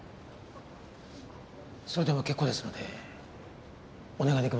それでも結構ですのでお願い出来ませんか？